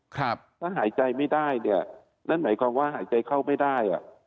ถ้าหายใจไม่ได้เนี่ยนั่นหมายความว่าหายใจเข้าไม่ได้อ่ะ